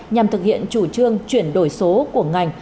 nhằm thực hiện chủ trương chuyển đổi số của ngành